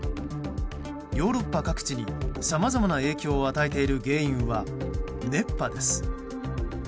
ヨーロッパ各地にさまざまな影響を与えている原因は熱波です。